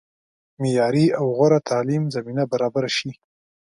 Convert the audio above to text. معیاري او غوره تعلیم زمینه برابره شي.